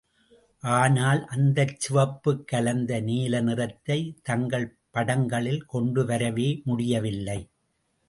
ஆனால், அந்தச் சிவப்புக் கலந்த நீல நிறத்தை தங்கள் படங்களில் கொண்டுவரவே முடியவில்லை.